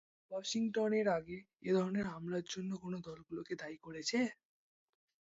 Washington এর আগে এ ধরনের হামলার জন্য কোন দলগুলোকে দায়ী করেছে?